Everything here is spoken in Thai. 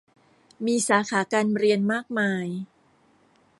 มีสาขาการเรียนมากมาย